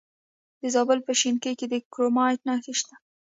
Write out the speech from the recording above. د زابل په شینکۍ کې د کرومایټ نښې شته.